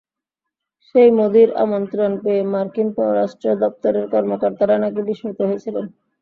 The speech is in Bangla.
সেই মোদির আমন্ত্রণ পেয়ে মার্কিন পররাষ্ট্র দপ্তরের কর্মকর্তারা নাকি বিস্মিত হয়েছিলেন।